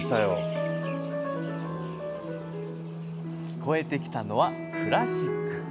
聞こえてきたのはクラシック。